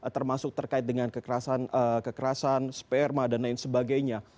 termasuk terkait dengan kekerasan sperma dan lain sebagainya